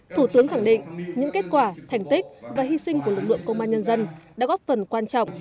thủ tướng khẳng định những kết quả thành tích và hy sinh của lực lượng công an nhân dân đã góp phần quan trọng